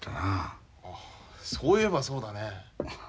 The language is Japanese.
ああそういえばそうだね。